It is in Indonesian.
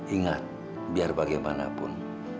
ingat biar bagaimanapun